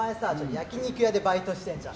焼き肉屋でバイトしてるじゃん。